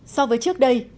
so với trước đây